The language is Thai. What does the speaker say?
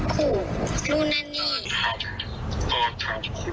จะบอกว่าไม่เจ็บใจแต่ผิดจนไม่ได้เหรอ